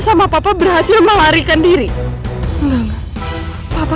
semoga papa belum membongkar hasilnya